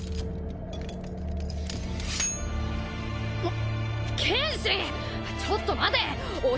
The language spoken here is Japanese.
あっ。